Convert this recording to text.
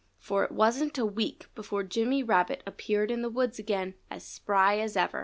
For it wasn't a week before Jimmy Rabbit appeared in the woods again, as spry as ever.